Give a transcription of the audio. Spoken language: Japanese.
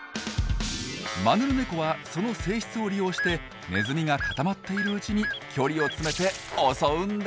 マヌルネコはその性質を利用してネズミが固まっているうちに距離を詰めて襲うんです。